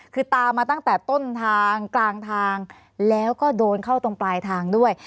คือตามมาตั้งแต่ต้นทางกลางทางแล้วก็โดนเข้าตรงปลายทางด้วย